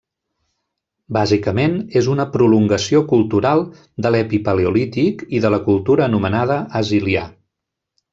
Bàsicament és una prolongació cultural de l'Epipaleolític i de la cultura anomenada Azilià.